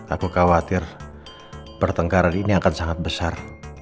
aku khawatir pertengkaran ini akan sangat besar